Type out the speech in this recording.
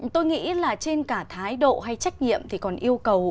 tôi nghĩ là trên cả thái độ hay trách nhiệm thì còn yêu cầu